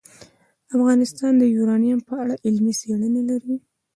افغانستان د یورانیم په اړه علمي څېړنې لري.